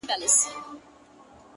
که ژوند راکوې!!